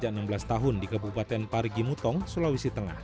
kasus pencabulan remaja enam belas tahun di kepupaten parigimutong sulawesi tengah